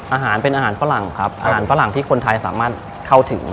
อาหารเป็นอาหารฝรั่งครับอาหารฝรั่งที่คนไทยสามารถเข้าถึง